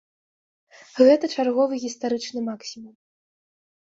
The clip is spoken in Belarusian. Гэта чарговы гістарычны максімум.